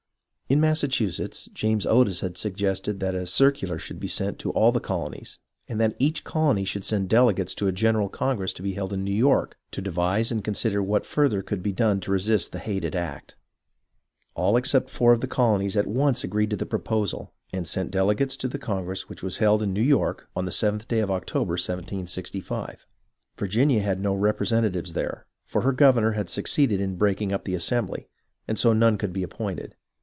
In Massachusetts, James Otis had suggested that a circular should be sent to all the colonies, and that each colony should send delegates to a general congress to be held in New York to devise and consider what further could be done to resist the hated act. All except four of the colonies at once agreed to the pro posal, and sent delegates to the congress which was held in New York on the 7th day of October, 1765. Virginia had no representatives there, for her governor had succeeded in breaking up the Assembly, and so none could be ap pointed.